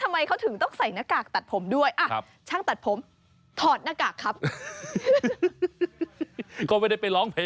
ไม่ใช่